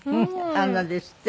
あんなですって。